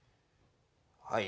はい